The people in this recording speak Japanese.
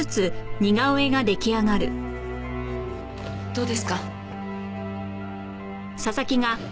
どうですか？